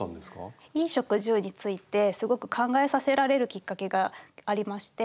衣食住についてすごく考えさせられるきっかけがありまして。